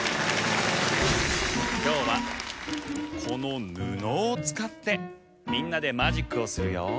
きょうはこのぬのをつかってみんなでマジックをするよ。